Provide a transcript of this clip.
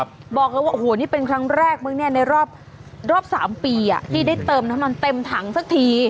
บอกแล้วว่านี่เป็นครั้งแรกในรอบ๓ปีที่ได้เติมน้ำมันเต็มถังสักที